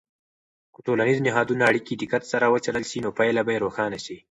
که د ټولنیزو نهادونو اړیکې دقت سره وڅیړل سي، نو پایله به روښانه سي.